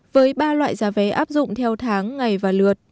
với ba loại giá vé áp dụng theo tháng ngày và lượt